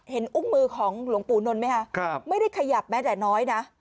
เห็นอุ้งมือของหลวงปุนนมั้ยคะครับไม่ได้ขยับแม้แต่น้อยนะ